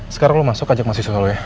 sekarang lu masuk ajak masih selalu ya